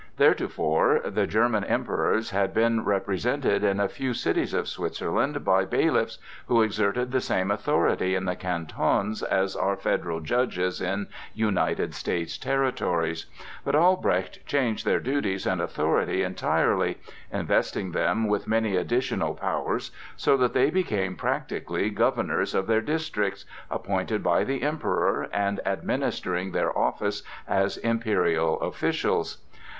Theretofore the German Emperors had been represented in a few cities of Switzerland by bailiffs, who exerted the same authority in the Cantons as our federal judges in United States Territories; but Albrecht changed their duties and authority entirely, investing them with many additional powers, so that they became practically governors of their districts, appointed by the Emperor and administering their office as imperial officials.